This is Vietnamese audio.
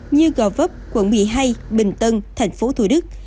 như gò vấp quận một mươi hai bình tân thành phố thủ đức